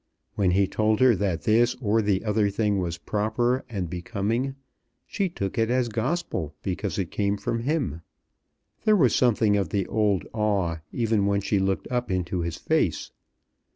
When he told her that this or the other thing was proper and becoming, she took it as Gospel because it came from him. There was something of the old awe even when she looked up into his face.